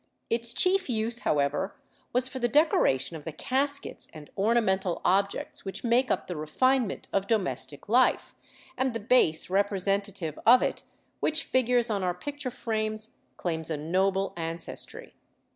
Its chief use, however, was for the decoration of the caskets and ornamental objects which make up the refinement of domestic life, and the base representative of it which figures on our picture frames claims a noble ancestry.